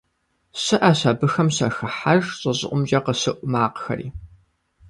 Щыӏэщ абыхэм щахыхьэж щӏы щӏыӏумкӏэ къыщыӏу макъхэри.